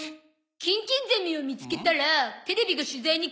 キンキンゼミを見つけたらテレビが取材に来る？